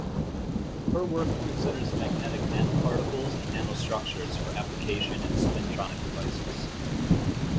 Her work considers magnetic nanoparticles and nanostructures for application in spintronic devices.